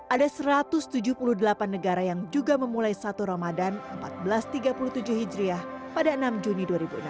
ada satu ratus tujuh puluh delapan negara yang juga memulai satu ramadan seribu empat ratus tiga puluh tujuh hijriah pada enam juni dua ribu enam belas